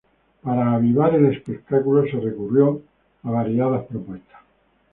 Para avivar el espectáculo, se recurrió a variadas propuestas.